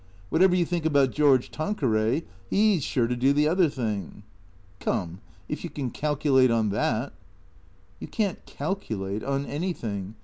Whatever you think about George Tanqueray, he 's sure to do the other thing." " Come — if you can calculate on that." " You can't calculate on anything.